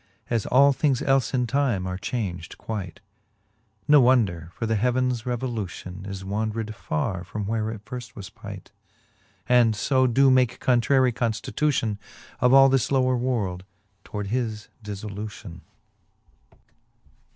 As all things elle in time are chaunged quight. Ne wonder; for the heavens revolution Is wandred farre from, where it firft was pight, And fo doe make contrarie conftitution of all this lower world^ toward his difTolution.